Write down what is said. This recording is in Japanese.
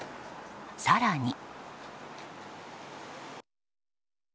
更に。